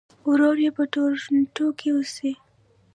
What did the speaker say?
ورور یې په ټورنټو کې اوسي.